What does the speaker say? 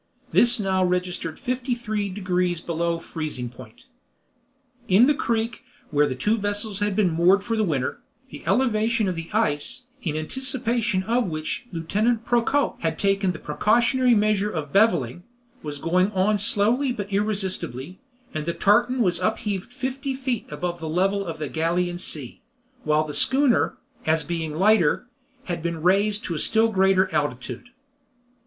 This now registered 53 degrees below freezing point. In the creek, where the two vessels had been moored for the winter, the elevation of the ice, in anticipation of which Lieutenant Procope had taken the precautionary measure of beveling, was going on slowly but irresistibly, and the tartan was upheaved fifty feet above the level of the Gallian Sea, while the schooner, as being lighter, had been raised to a still greater altitude.